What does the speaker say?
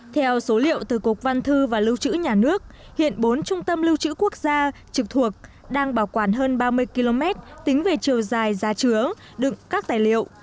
theo số liệu từ cục văn thư và lưu trữ nhà nước hiện bốn trung tâm lưu trữ quốc gia trực thuộc đang bảo quản hơn ba mươi km tính về chiều dài giá chứa đựng các tài liệu